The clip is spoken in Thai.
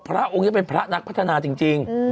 พระองค์นี้เป็นพระนักพัฒนาจริง